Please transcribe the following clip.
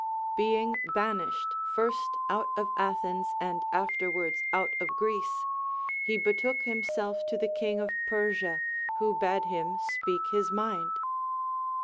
Being banished first out of Athens and afterwards out of Greece, he betook himself to the king of Persia, Λνΐιο bade him speak his mind.